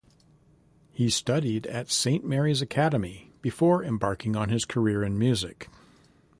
He studied at Saint Mary's Academy before embarking on his career in music.